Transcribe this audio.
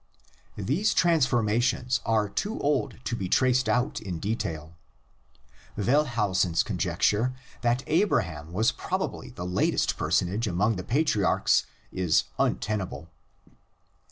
These transformations are too old to be traced out in detail. Wellhausen's conjecture (Prolegomena, p. 323) that Abraham is probably the latest person age among the patriarchs, is untenable.